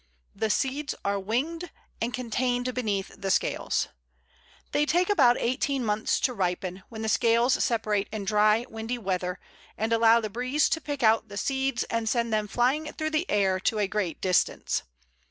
The seeds are winged, and contained beneath the scales. They take about eighteen months to ripen, when the scales separate in dry windy weather, and allow the breeze to pick out the seeds and send them flying through the air to a great distance.